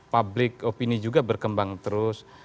public opini juga berkembang terus